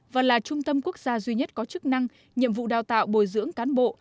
và là trung tâm quốc gia duy nhất có chức năng nhiệm vụ đào tạo bồi dưỡng cán bộ